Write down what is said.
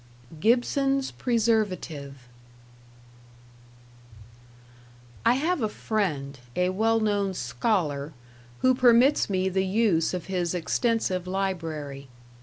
#Gibson's Preservative# I have a friend, a well known "scholar", who permits me the use of his extensive library.